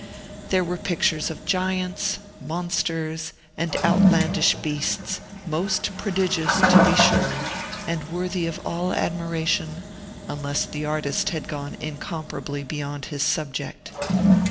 There were pictures of giants, monsters, and outlandish beasts, most prodigious, to be sure, and worthy of all admiration, unless the artist had gone incomparably beyond his subject.